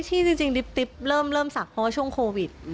ที่จริงดิบเริ่มศักดิ์เพราะว่าช่วงโควิด